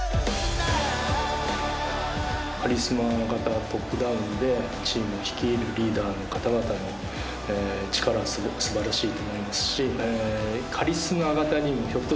カリスマ型トップダウンでチームを率いるリーダーの方々の力はすごく素晴らしいと思いますし。